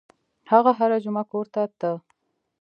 هغه هره جمعه کور ته ته.